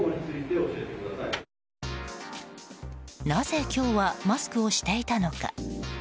なぜ、今日はマスクをしていたのか。